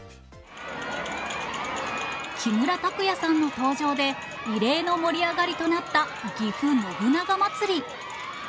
木村拓哉さんの登場で、異例の盛り上がりとなったぎふ信長まつり。